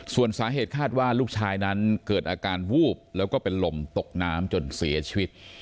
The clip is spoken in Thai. ส่วนสาเหตุคาดว่าลูกชายนั้นเกิดอาการวูบแล้วก็เป็นลมตกน้ำจนเสียชีวิต